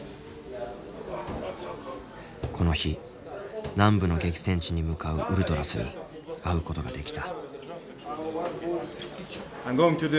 この日南部の激戦地に向かうウルトラスに会うことができた。